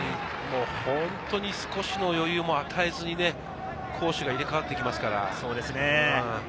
本当に少しの余裕も与えず、攻守が入れ替わっていきますから。